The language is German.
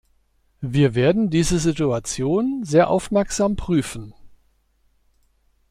Wir werden diese Situation sehr aufmerksam prüfen.